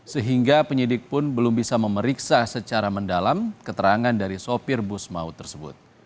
sehingga penyidik pun belum bisa memeriksa secara mendalam keterangan dari sopir bus maut tersebut